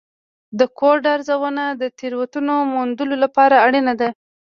د کوډ ارزونه د تېروتنو موندلو لپاره اړینه ده.